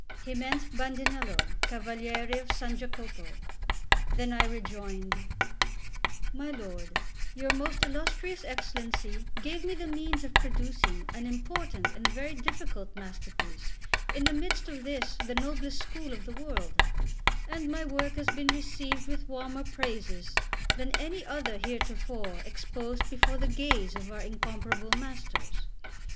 He meant Bandinello, Cavaliere of S. Jacopo. Then I rejoined: "My lord, your most illustrious Excellency gave me the means of producing an important and very difficult masterpiece in the midst of this the noblest school of the world; and my work has been received with warmer praises than any other heretofore exposed before the gaze of our incomparable masters.